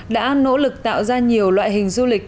đã nỗ lực tạo ra nhiều loại hình du lịch